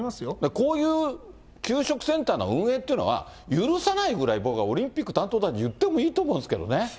こういう給食センターの運営っていうのは、許さないぐらい、僕はオリンピック担当大臣、言ってもいいと思うんですけどね。